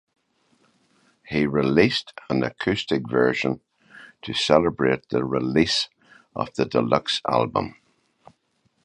He released an acoustic version to celebrate the release of the deluxe album.